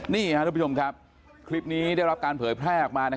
นี่ครับทุกผู้ชมครับคลิปนี้ได้รับการเผยแพร่ออกมา